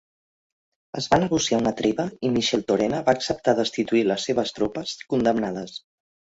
Es va negociar una treva i Micheltorena va acceptar destituir les seves tropes condemnades.